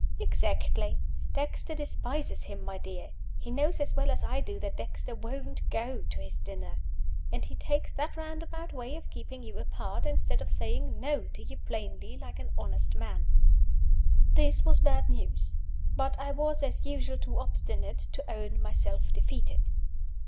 "Exactly! Dexter despises him, my dear. He knows as well as I do that Dexter won't go to his dinner. And he takes that roundabout way of keeping you apart, instead of saying No to you plainly, like an honest man." This was bad news. But I was, as usual, too obstinate to own myself defeated.